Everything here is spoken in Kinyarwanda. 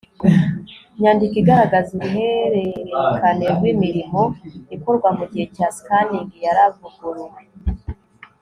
nyandiko igaragaza uruhererekane rw imirimo ikorwa mu gihe cya scanning yaravuguruwe